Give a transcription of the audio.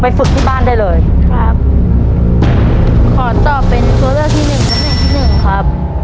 ฝึกที่บ้านได้เลยครับขอตอบเป็นตัวเลือกที่หนึ่งตำแหน่งที่หนึ่งครับ